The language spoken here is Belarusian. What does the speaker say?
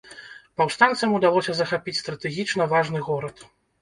Паўстанцам удалося захапіць стратэгічна важны горад.